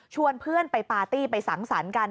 เพื่อนไปปาร์ตี้ไปสังสรรค์กัน